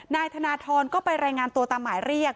นายธนทรก็ไปรายงานตัวตามหมายเรียก